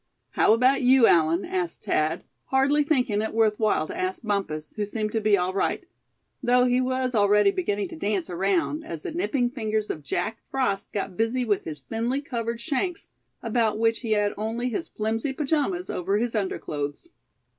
"How about you, Allan?" asked Thad, hardly thinking it worth while to ask Bumpus, who seemed to be all right; though he was already beginning to dance around, as the nipping fingers of Jack Frost got busy with his thinly covered shanks, about which he had only his flimsy pajamas over his underclothes.